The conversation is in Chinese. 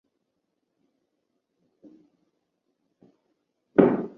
现任社长为金炳镐。